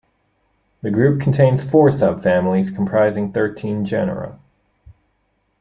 The group contains four subfamilies comprising thirteen genera.